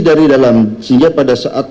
dari dalam sehingga pada saat